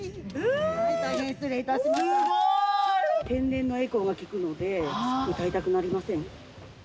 天然のエコーが効くので、歌いたくなりません？